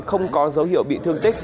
không có dấu hiệu bị thương tích